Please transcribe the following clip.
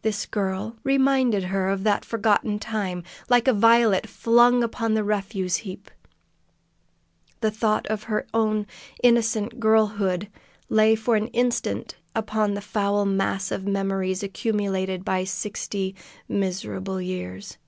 This girl reminded her of that forgotten time. Like a violet flung upon a refuse heap, the thought of her own innocent girlhood lay for an instant upon the foul mass of memories accumulated by sixty miserable years.